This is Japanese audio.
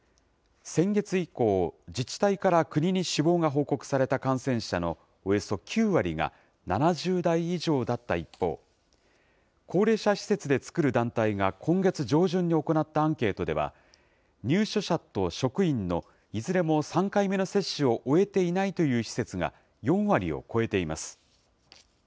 先月以降、自治体から国に死亡が報告された感染者のおよそ９割が、７０代以上だった一方、高齢者施設で作る団体が今月上旬に行ったアンケートでは、入所者と職員のいずれも３回目の接種を終えていないという施設が４割を超えています。